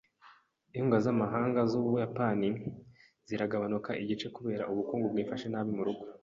Inkunga z’amahanga z’Ubuyapani ziragabanuka igice kubera ubukungu bwifashe nabi mu rugo.